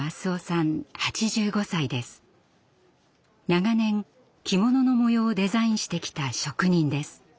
長年着物の模様をデザインしてきた職人です。